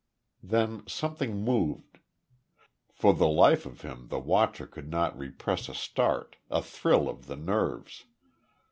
Then something moved. For the life of him the watcher could not repress a start, a thrill of the nerves.